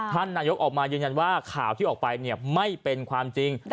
ท่านนายกออกมายืนยันว่าข่าวที่ออกไปไม่เป็นความจริง